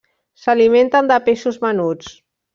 S'alimenten de peixos menuts.